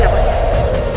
tidak ada yang menolongmu